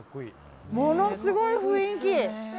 ものすごい雰囲気。